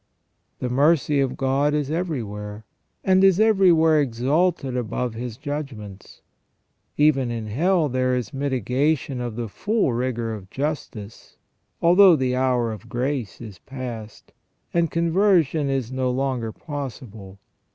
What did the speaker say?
The mercy of God is everywhere, and is everywhere exalted above His judgments. Even in hell there is mitigation of the full rigour of justice, although the hour of grace is past, and conversion is no longer possible.